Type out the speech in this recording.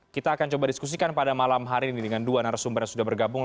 kita akan coba diskusikan pada malam hari ini dengan dua narasumber yang sudah bergabung